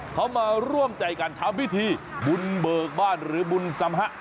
เขามาร่วมใจกันทำพิธีบุญเบิกบ้านหรือบุญสัมฮะ